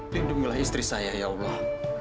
lindungilah istri saya ya allah